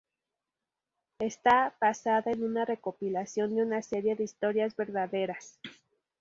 Está basada en una recopilación de una serie de historias verdaderas.